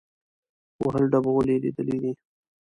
وهل ډبول یې لیدلي دي.